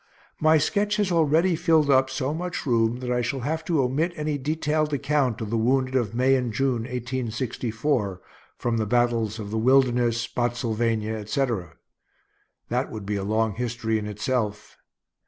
My sketch has already filled up so much room that I shall have to omit any detailed account of the wounded of May and June, 1864, from the battles of the Wilderness, Spottsylvania, etc. That would be a long history in itself.